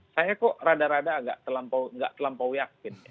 saya kok rada rada agak nggak terlampau yakin